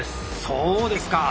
そうですか。